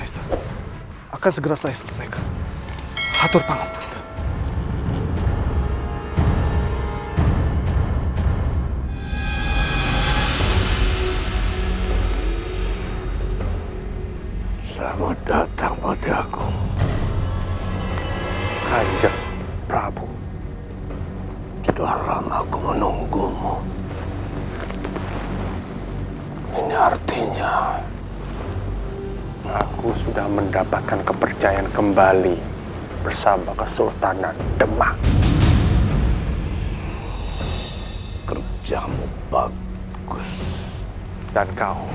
jangan lupa untuk berhenti mencari kesalahan